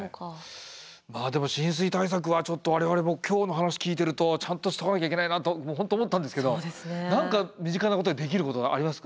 でも浸水対策はちょっと我々も今日の話聞いてるとちゃんとしとかなきゃいけないなと本当思ったんですけど何か身近なことでできることあります？